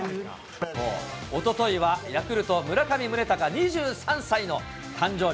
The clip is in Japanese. おとといはヤクルト、村上宗隆２３歳の誕生日。